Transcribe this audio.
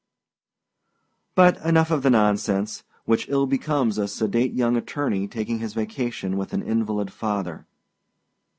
But enough of the nonsense, which ill becomes a sedate young attorney taking his vacation with an invalid father.